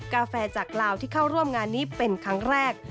กาแฟจากลาวที่เข้าร่วมงานนี้เป็นครั้งแรก